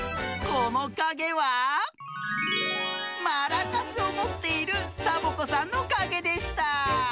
このかげはマラカスをもっているサボ子さんのかげでした！